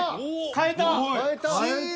変えた！